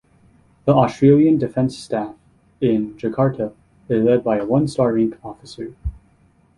The Australian Defence Staff in Jakarta is led by a one-star rank officer.